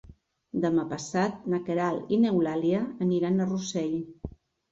Demà passat na Queralt i n'Eulàlia aniran a Rossell.